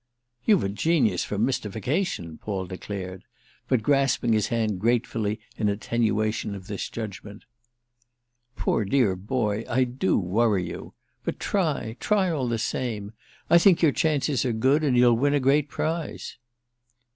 "You've a genius for mystification!" Paul declared; but grasping his hand gratefully in attenuation of this judgement. "Poor dear boy, I do worry you! But try, try, all the same. I think your chances are good and you'll win a great prize."